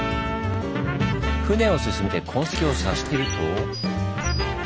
船を進めて痕跡を探していると。